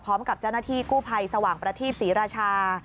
พร้อมกับเจ้าหน้าที่กู้ภัยสว่างประทีปศรีราชา